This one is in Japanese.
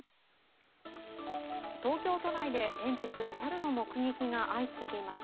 東京都内で連日、猿の目撃が相次いでいます。